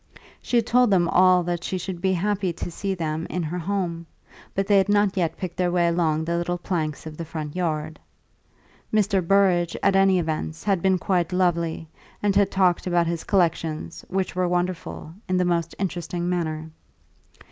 She had told them all that she should be happy to see them in her home, but they had not yet picked their way along the little planks of the front yard. Mr. Burrage, at all events, had been quite lovely, and had talked about his collections, which were wonderful, in the most interesting manner.